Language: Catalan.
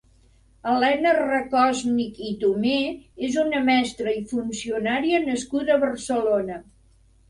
Helena Rakòsnik i Tomé és una mestra i funcionària nascuda a Barcelona.